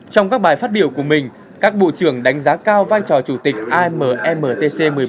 trong các bài phát biểu của mình các bộ trưởng đánh giá cao vai trò chủ tịch immtc